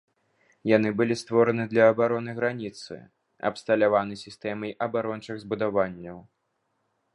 Яны былі створаны для абароны граніцы, абсталяваны сістэмай абарончых збудаванняў.